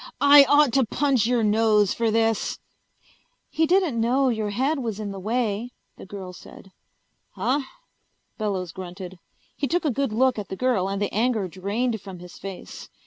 "I ought to punch your nose for this!" "He didn't know your head was in the way," the girl said. "Huh?" Bellows grunted. He took a good look at the girl and the anger drained from his face.